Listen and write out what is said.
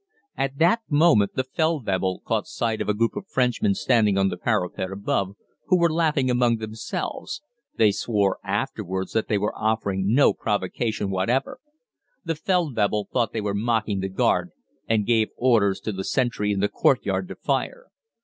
At that moment the Feldwebel caught sight of a group of Frenchmen standing on the parapet above, who were laughing among themselves (they swore afterwards that they were offering no provocation whatever). The Feldwebel thought they were mocking the guard, and gave orders to the sentry in the courtyard to fire.